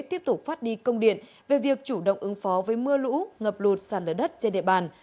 tiếp tục phát đi công điện về việc chủ động ứng phó với mưa lũ ngập lụt sàn lở đất trên địa bàn